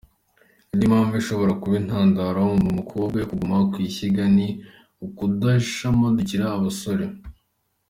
Indi impamvu ishobora kuba intandaro ku mukobwa yo kuguma ku ishyiga ni ukudashamadukira abasore.